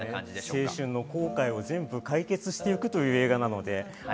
青春の後悔を全部解決していくという映画なので。